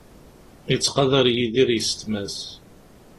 Yettqadar Yidir yessetma-s.